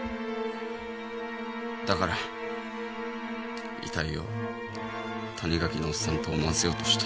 だから遺体を谷垣のおっさんと思わせようとした。